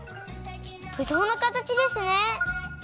ぶどうのかたちですね。